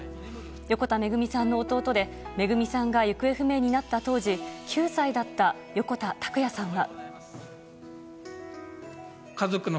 横田めぐみさんの弟でめぐみさんが行方不明になった時９歳だった横田拓也さんは。